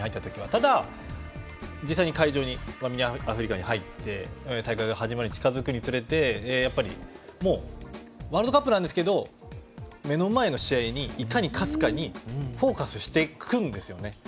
ただ、実際に南アフリカの会場に入って大会が始まるのが近づくにつれてもうワールドカップなんですけど目の前の試合にいかに勝つかにフォーカスしていくんですよね。